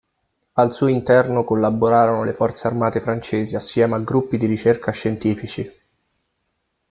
Al suo interno collaborarono le forze armate francesi assieme a gruppi di ricerca scientifici.